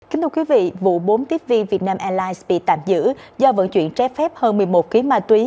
kính thưa quý vị vụ bốn tiếp viên vietnam airlines bị tạm giữ do vận chuyển trái phép hơn một mươi một kg ma túy